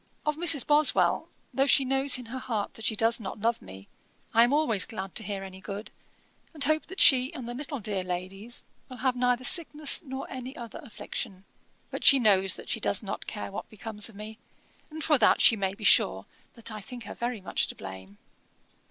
'Of Mrs. Boswell, though she knows in her heart that she does not love me, I am always glad to hear any good, and hope that she and the little dear ladies will have neither sickness nor any other affliction. But she knows that she does not care what becomes of me, and for that she may be sure that I think her very much to blame.